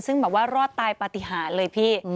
ซึ่งแบบว่ารอดตายปฏิหารเลยพี่